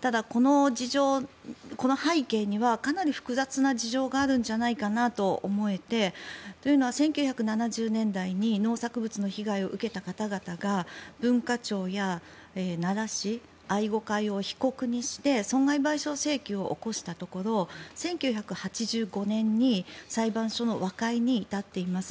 ただ、この背景にはかなり複雑な事情があるんじゃないかなと思えてというのは、１９７０年代に農作物の被害を受けた方々が文化庁や奈良市愛護会を被告にして損害賠償請求を起こしたところ１９８５年に裁判所の和解に至っています。